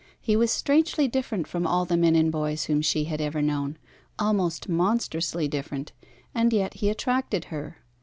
He was strangely different from all the men and boys whom she had ever known, almost monstrously different, and yet he attracted her.